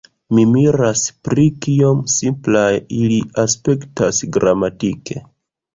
Mi miras pri kiom simplaj ili aspektas gramatike.